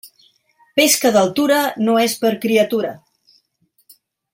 Pesca d'altura, no és per criatura.